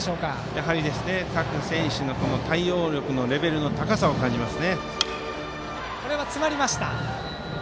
やはり各選手の対応力のレベルの高さを感じます。